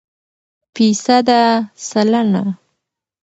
فیصده √ سلنه